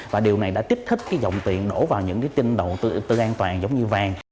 và điều này đã tích thích dòng tiền đổ vào những tinh đầu tư an toàn giống như vàng